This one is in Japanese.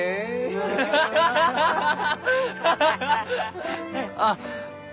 ハハハ！ハハハ！あっ！